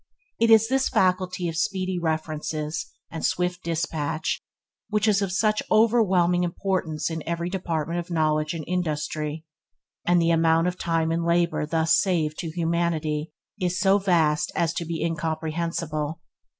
It is this faculty of speedy references and swift dispatch which is of such overwhelming importance in every department of knowledge and industry, and the amount of time and labour thus saved to humanity is so vast as to be incompatible.